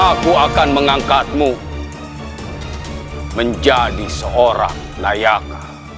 aku akan mengangkatmu menjadi seorang layak